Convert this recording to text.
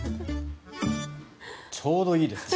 ちょうどいいですね。